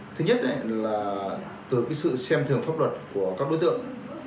thứ nhất là từ sự xem thường pháp luật của các đối tượng